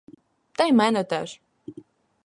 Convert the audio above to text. Та й мене теж.